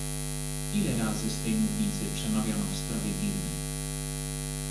Ile razy z tej mównicy przemawiano w sprawie Birmy?